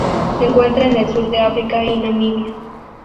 Se encuentra en el sur de África y en Namibia.